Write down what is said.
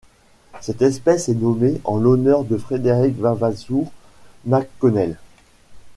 Cette espèce est nommée en l'honneur de Frederick Vavasour McConnell.